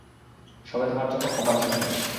সবে তোমার চোখ অপারেশন হয়েছে।